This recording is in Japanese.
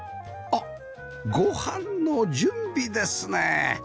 あっご飯の準備ですね